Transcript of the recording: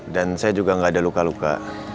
dan saya juga gak ada luka luka